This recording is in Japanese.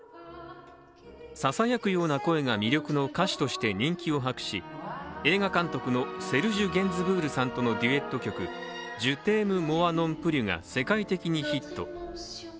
ささやくような声が魅力の歌手として人気を博し、映画監督のセルジュ・ゲンズブールさんとのデュエット曲「ジュ・テーム・モワ・ノン・プリュ」が世界的にヒット。